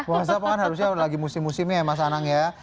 pemirsa kan harusnya lagi musim musimnya ya mas anang ya